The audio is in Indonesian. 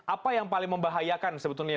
apa yang paling membahayakan sebetulnya